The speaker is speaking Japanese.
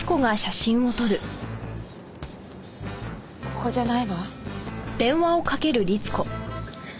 ここじゃないわ。